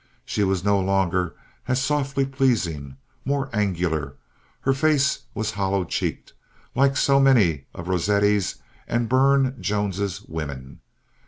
She was no longer as softly pleasing, more angular. Her face was hollow cheeked, like so many of Rossetti's and Burne Jones's women.